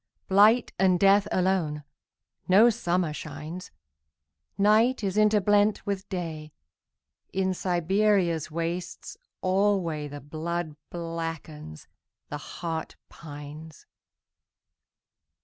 Blight and death alone.No summer shines. Night is interblent with Day.In Siberia's wastes alwayThe blood blackens, the heart pines.